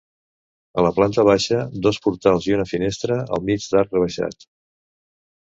A la planta baixa, dos portals i una finestra al mig d'arc rebaixat.